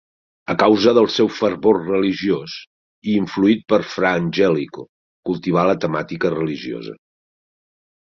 A causa del seu fervor religiós, i influït per fra Angelico, cultivà la temàtica religiosa.